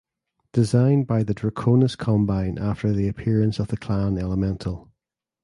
Designed by the Draconis Combine after the appearance of the clan elemental.